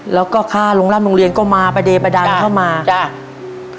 แล้วก็ค่าโรงร่ำโรงเรียนก็มาประเดประดันเข้ามาจ้ะ